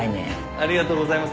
ありがとうございます